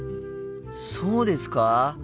そうですか？